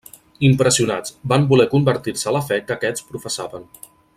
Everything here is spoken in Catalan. Impressionats, van voler convertir-se a la fe que aquests professaven.